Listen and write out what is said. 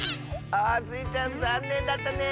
あスイちゃんざんねんだったね。